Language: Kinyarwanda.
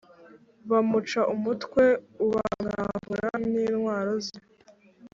Bamuca umutwe u bamwambura n intwaro ze